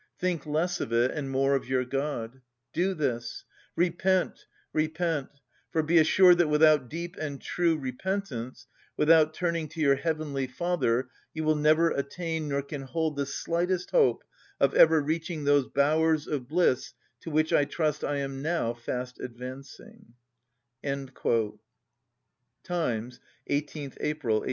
Think less of it and more of your God. Do this: repent, repent, for be assured that without deep and true repentance, without turning to your heavenly Father, you will never attain, nor can hold the slightest hope of ever reaching those bowers of bliss to which I trust I am now fast advancing" (Times, 18th April 1837).